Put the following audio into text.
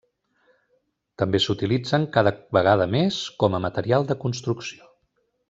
També s'utilitzen cada vegada més com a material de construcció.